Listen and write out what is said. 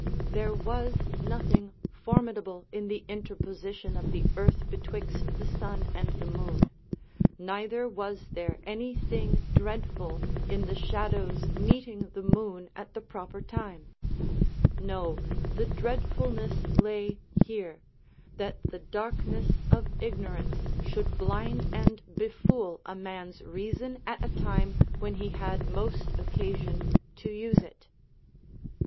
There was nothing formidable in the inter position of the earth betwixt the sun and the moon, neither was there any thing dreadful in the shadow's meeting the moon at the proper time : no, the dreadfulness lay here, that the darkness of ignorance should blind and befool . a man's reason at a time when he had most occasion to use it.